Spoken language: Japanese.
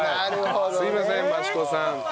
すいません益子さん。